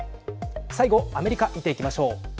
最後アメリカ、見ていきましょう。